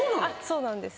そうなんです。